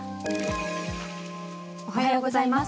おはようございます。